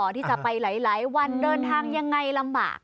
ที่จะไปหลายวันเดินทางยังไงลำบาก